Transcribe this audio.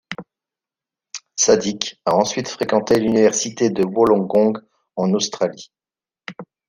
Sadik a ensuite fréquenté l'Université de Wollongong en Australie.